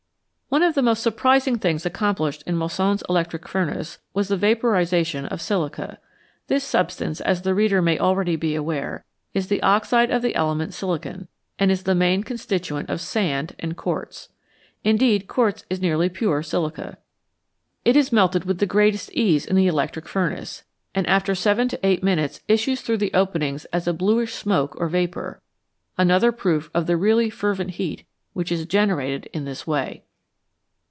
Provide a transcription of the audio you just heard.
One of the most surprising things accomplished in Moissan's electric furnace was the vaporisation of silica. This substance, as the reader may already be aware, is the oxide of the element silicon, and is the main con stituent of sand and quartz. Indeed, quartz is nearly pure silica. It is melted with the greatest ease in the electric funiace, and after seven to eight minutes issues through the openings as a bluish smoke or vapour another proof of the really fervent heat which is generated in this way.